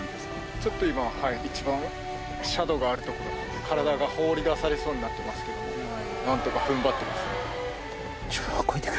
ちょっと今、一番斜度がある所なんで、体が放り出されそうになっていますけど、なんとかふん自分を超えてく！